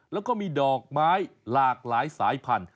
แล้วก็มีดอกไม้หลากหลายสายพันธุ